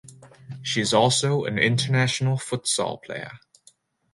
She is also an international futsal player.